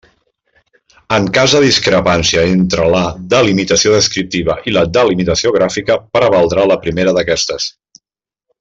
En cas de discrepància entre la delimitació descriptiva i la delimitació gràfica, prevaldrà la primera d'aquestes.